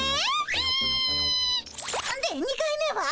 で２回目は？